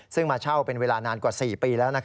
ซึ่งมาเช่าเป็นเวลานานกว่า๔ปีแล้ว